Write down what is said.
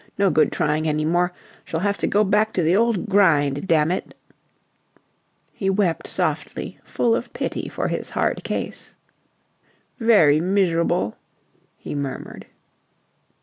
No good trying any more. Shall have to go back to the old grind, damn it." He wept softly, full of pity for his hard case. "Very miserable," he murmured.